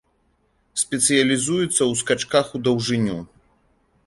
Спецыялізуецца ў скачках ў даўжыню.